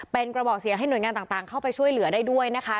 เป็นกระบอกเสียงให้หน่วยงานต่างเข้าไปช่วยเหลือได้ด้วยนะคะ